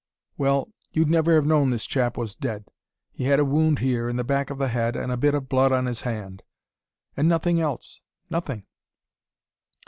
"Well, you'd never have known this chap was dead. He had a wound here in the back of the head and a bit of blood on his hand and nothing else, nothing.